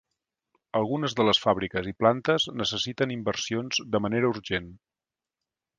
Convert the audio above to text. Algunes de les fàbriques i plantes necessiten inversions de manera urgent.